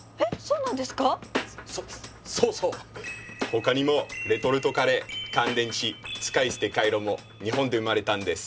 ほかにもレトルトカレー乾電池使い捨てカイロも日本で生まれたんです。